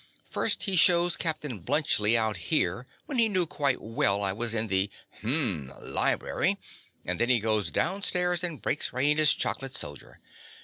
First he shews Captain Bluntschli out here when he knew quite well I was in the—hum!—library; and then he goes downstairs and breaks Raina's chocolate soldier.